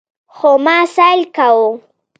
خو ما سيل کاوه.